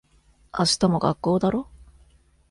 明日も学校だろ。